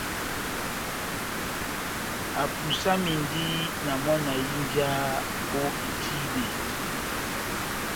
Apusamindi na mɔ́ na hínjaha ó itíbe.